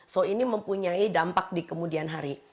so ini mempunyai dampak di kemudian hari